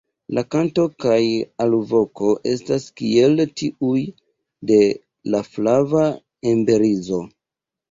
La kanto kaj alvoko estas kiel tiuj de la Flava emberizo.